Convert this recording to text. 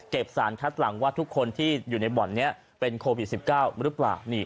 สารคัดหลังว่าทุกคนที่อยู่ในบ่อนนี้เป็นโควิด๑๙หรือเปล่า